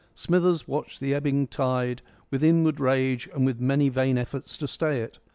Smithers watched the ebbing of the tide with inward rage and with many vain efforts to stay it.